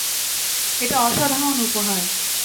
এটা অসাধারণ উপহার।